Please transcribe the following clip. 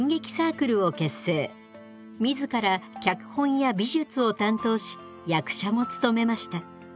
自ら脚本や美術を担当し役者も務めました。